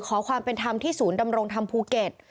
ขอความเป็นธรรมที่ศูนย์ดำรงธรรมภูเก็ต